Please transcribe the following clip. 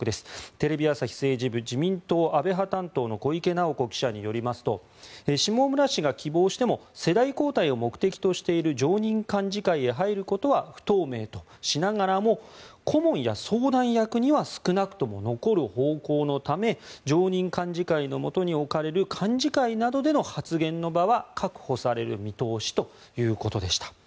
テレビ朝日政治部自民党安倍派担当の小池直子記者によりますと下村氏が希望しても世代交代を目的としている常任幹事会へ入ることは不透明としながらも顧問や相談役には少なくとも残る方向のため常任幹事会のもとに置かれる幹事会などでの発言の場は確保される見通しということでした。